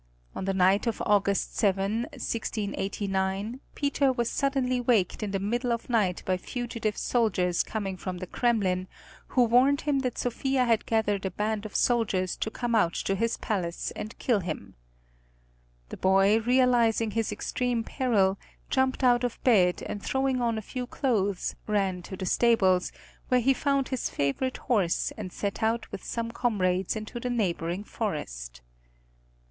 On the night of August 7, 1689, Peter was suddenly waked in the middle of night by fugitive soldiers coming from the Kremlin, who warned him that Sophia had gathered a band of soldiers to come out to his palace and kill him. The boy, realizing his extreme peril, jumped out of bed, and throwing on a few clothes ran to the stables, where he found his favorite horse and set out with some comrades into the neighboring forest.